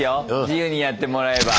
自由にやってもらえば。